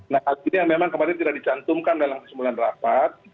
nah hal ini yang memang kemarin tidak dicantumkan dalam kesimpulan rapat